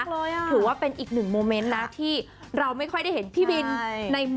ถือว่าเป็นอีกหนึ่งโมเมนต์นะที่เราไม่ค่อยได้เห็นพี่บินใน